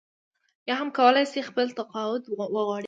یا هم کولای شي خپل تقاعد وغواړي.